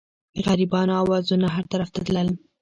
د غریبانو اوازونه هر طرف ته تلل.